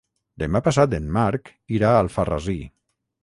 Demà passat en Marc irà a Alfarrasí.